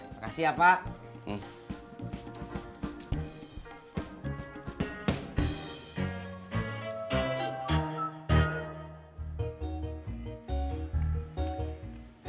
makasih ya pak